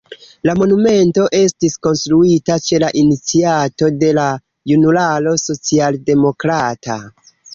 La monumento estis konstruita ĉe la iniciato de la Junularo socialdemokrata.